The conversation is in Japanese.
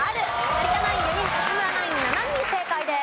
有田ナイン４人勝村ナイン７人正解です。